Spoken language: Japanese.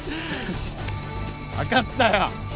分かったよ。